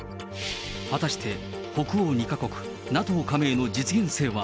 果たして北欧２か国、ＮＡＴＯ加盟の実現性は？